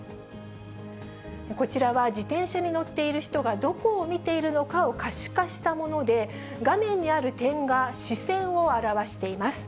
こちらは、自転車に乗っている人がどこを見ているのかを可視化したもので、画面にある点が視線を表しています。